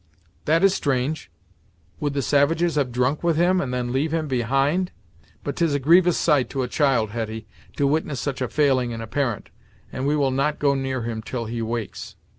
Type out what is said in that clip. "That is strange! Would the savages have drunk with him, and then leave him behind? But 'tis a grievous sight to a child, Hetty, to witness such a failing in a parent, and we will not go near him 'til he wakes."